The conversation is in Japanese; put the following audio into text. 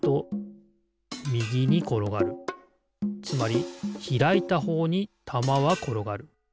つまりひらいたほうにたまはころがる。